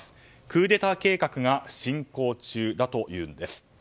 クーデター計画が進行中だというんです。